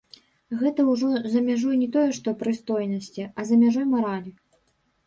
Гэта ужо за мяжой не тое што прыстойнасці, а за мяжой маралі.